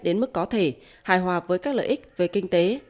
đến mức có thể hài hòa với các lợi ích về kinh tế